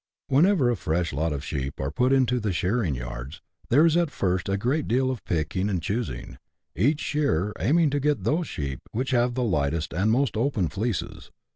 Whenever a fresh lot of sheep are put into the shearing yards, there is at first a great deal of picking and choosing, each shearer aiming to get those sheep which have the lightest and most open 48 BUSH LIFE IN AUSTRALIA. [chap. v. fleeces.